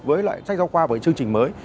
với lại sách giáo khoa và chương trình mới